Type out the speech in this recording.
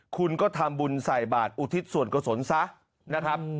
คุณก็ทำบุญใส่บาทอุทิศส่วนกษลซะนะครับ